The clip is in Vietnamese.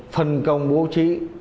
phân công bố trí